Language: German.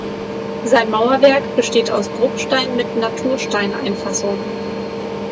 Sein Mauerwerk besteht aus Bruchstein mit Natursteineinfassungen.